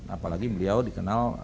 apalagi beliau dikenal